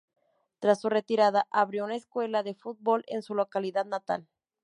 Tras su retirada, abrió una escuela de fútbol en su localidad natal.